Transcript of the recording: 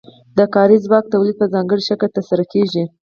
د کاري ځواک تولید په ځانګړي شکل ترسره کیږي.